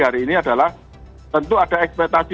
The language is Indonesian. hari ini adalah tentu ada ekspektasi